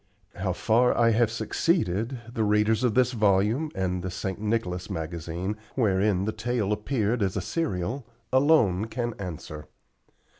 How far I have succeeded, the readers of this volume, and of the "St. Nicholas" magazine, wherein the tale appeared as a serial, alone can answer.